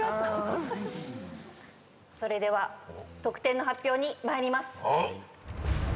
それでは得点の発表に参ります。